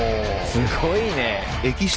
すごいね。